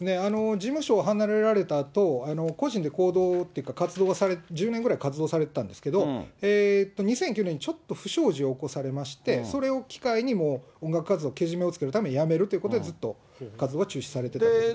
事務所を離れられたあと、個人で行動というか、活動は、１０年ぐらい活動されてたんですけど、２００９年、ちょっと不祥事を起こされまして、それを機会にもう音楽活動、けじめをつけるために辞めるということで、活動は中止されてたんですね。